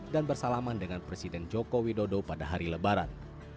dan bersalaman dengan presiden jokowi dodo pada hari lebaran